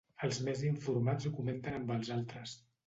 Els més informats ho comenten amb els altres.